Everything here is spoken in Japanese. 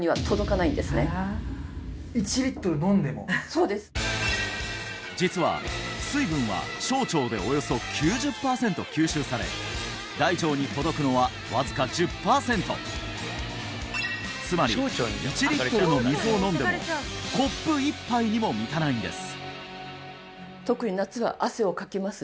そうです実は水分は小腸でおよそ９０パーセント吸収され大腸に届くのはわずか１０パーセントつまり１リットルの水を飲んでもコップ１杯にも満たないんです